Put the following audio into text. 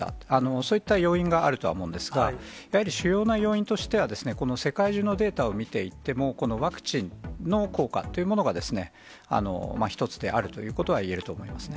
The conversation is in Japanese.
そういった要因があるとは思うんですが、やはり主要な要因としては、この世界中のデータを見ていっても、このワクチンの効果というものが、一つであるということはいえると思いますね。